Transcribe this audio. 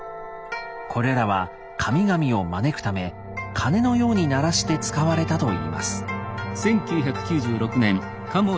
これらは神々を招くため鐘のように鳴らして使われたといいます。